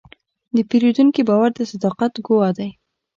د پیرودونکي باور د صداقت ګواه دی.